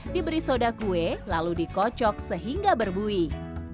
diberi soda kue lalu dikocok sehingga berbuih